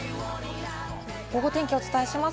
ゴゴ天気、お伝えします。